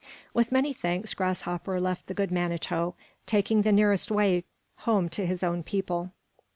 With many thanks Grasshopper left the good Manito, taking the nearest way home to his own people.